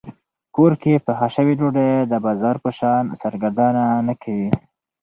کور کې پخه شوې ډوډۍ د بازار په شان سرګردان نه کوي.